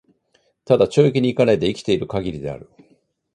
只懲役に行かないで生きて居る許りである。